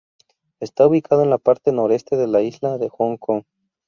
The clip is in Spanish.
Está ubicado en la parte noreste de la isla de Hong Kong.